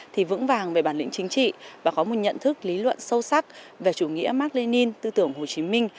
thì vững vàng về bản lĩnh chính trị và có một nhận thức lý luận sâu sắc về chủ nghĩa mạc lê ninh tư tưởng hồ chí minh